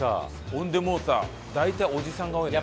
ほんでもうさ大体おじさんが多いのよ。